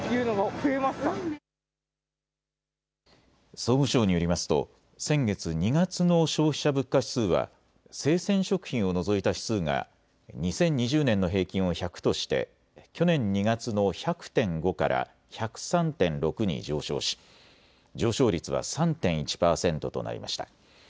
総務省によりますと先月２月の消費者物価指数は生鮮食品を除いた指数が２０２０年の平均を１００として去年２月の１００．５から１０３．６に上昇し上昇率は３．１％となりました。